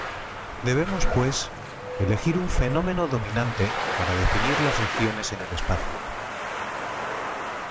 Debemos, pues, elegir un fenómeno dominante para definir las regiones en el espacio.